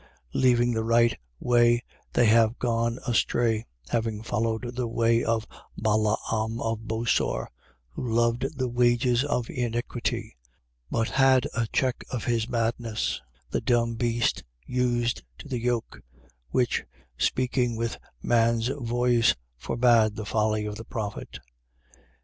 2:15. Leaving the right way, they have gone astray, having followed the way of Balaam of Bosor who loved the wages of iniquity, 2:16. But had a check of his madness, the dumb beast used to the yoke, which, speaking with man's voice, forbade the folly of the prophet.